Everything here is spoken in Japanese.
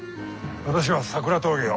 私は桜峠を。